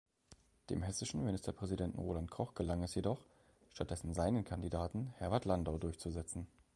Dem hessischen Ministerpräsidenten Roland Koch gelang es jedoch, stattdessen seinen Kandidaten Herbert Landau durchzusetzen.